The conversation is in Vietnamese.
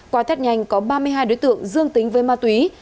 qua tết nhanh có ba mươi hai đối tượng dương tính với ma túy